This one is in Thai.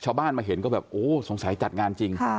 ชาวบ้านมาเห็นก็แบบโอ้สงสัยจัดงานจริง